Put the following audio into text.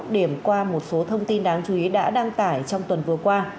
điểm qua một số thông tin đáng chú ý đã đăng tải trong tuần vừa qua